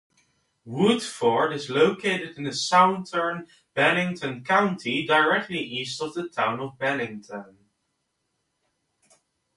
Woodford is located in southern Bennington County directly east of the town of Bennington.